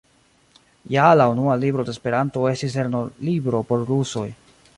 Ja la unua libro de Esperanto estis lerno-libro por rusoj.